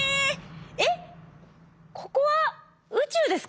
えっここは宇宙ですか？